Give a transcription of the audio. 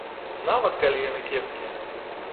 Нават калі яны кепскія!